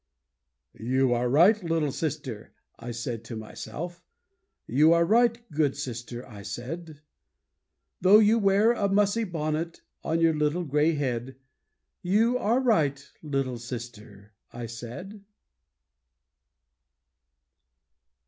'" "You are right, little sister," I said to myself, "You are right, good sister," I said. "Though you wear a mussy bonnet On your little gray head, You are right, little sister," I said.